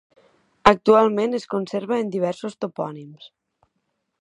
Actualment es conserva en diversos topònims.